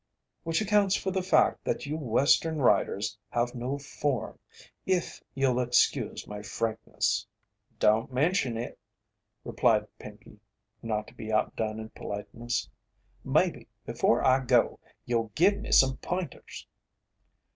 "Which accounts for the fact that you Western riders have no 'form,' if you'll excuse my frankness." "Don't mention it," replied Pinkey, not to be outdone in politeness. "Maybe, before I go, you'll give me some p'inters?"